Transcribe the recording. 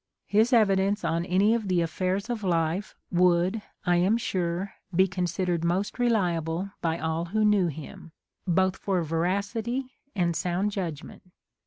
His evidence on any of the affairs of life would, I am sure, be consid ered most reliable by all who knew him, both for veracity and sound judgment.